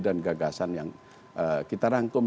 dan gagasan yang kita rangkum